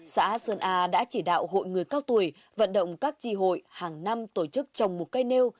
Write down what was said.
xã sơn a đã chỉ đạo hội người cao tuổi vận động các tri hội hàng năm tổ chức trồng một cây nêu